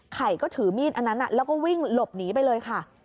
ไข่ก็ถือมีดอันนั้นแล้วก็วิ่งหลบหนีไปเลยค่ะ